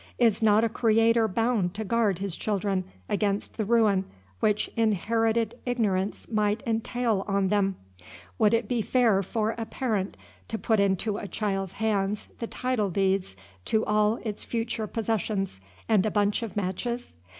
Is not a Creator bound to guard his children against the ruin which inherited ignorance might entail on them? Would it be fair for a parent to put into a child's hands the title deeds to all its future possessions, and a bunch of matches?